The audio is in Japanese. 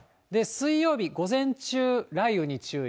水曜日午前中、雷雨に注意。